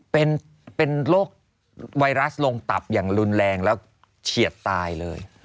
เป็นโรคไวรัสลงตับอย่างรุนแรงแล้วเฉียดตายเลย